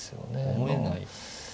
思えない。